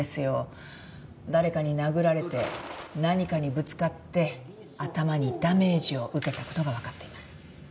誰かに殴られて何かにぶつかって頭にダメージを受けた事がわかっています。